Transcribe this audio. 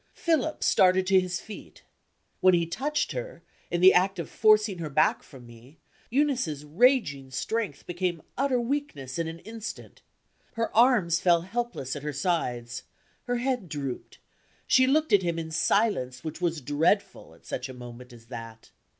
Philip started to his feet. When he touched her, in the act of forcing her back from me, Eunice's raging strength became utter weakness in an instant. Her arms fell helpless at her sides her head drooped she looked at him in silence which was dreadful, at such a moment as that.